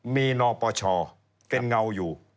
มีนปชเป็นเงาอยู่